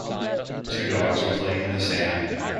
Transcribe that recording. Two dogs are playing in the sand.